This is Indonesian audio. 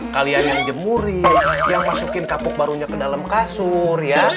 kalian yang jemuri yang masukin kapuk barunya ke dalam kasur